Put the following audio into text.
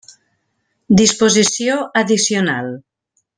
Disposició addicional.